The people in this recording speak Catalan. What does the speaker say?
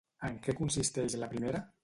En què consisteix la primera?